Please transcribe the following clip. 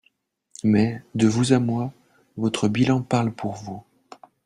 Mais, de vous à moi, votre bilan parle pour vous.